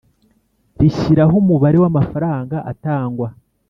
rishyiraho umubare w amafaranga atangwa